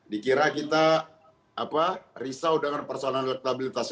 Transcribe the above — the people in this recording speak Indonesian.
dikira kita risau dengan persoalan elektabilitas